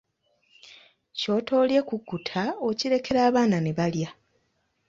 Kyotoolye kukkuta okirekera abaana ne balya.